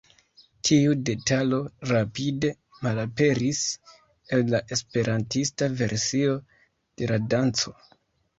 Tiu detalo rapide malaperis el la esperantista versio de la danco.